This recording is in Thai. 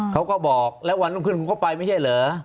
เขาก็บอกแล้ววันรุ่งขึ้นคุณก็ไปไม่ใช่เหรอ